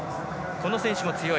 この選手も強い。